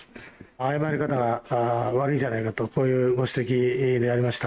謝り方が悪いんじゃないかと、こういうご指摘でありました。